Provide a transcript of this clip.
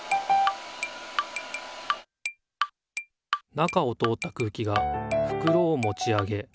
中を通った空気がふくろをもち上げ